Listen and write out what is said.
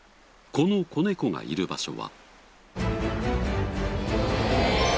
この子猫がいる場所は。